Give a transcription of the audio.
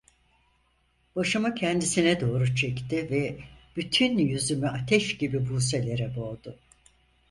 Başımı kendisine doğru çekti ve bütün yüzümü ateş gibi buselere boğdu.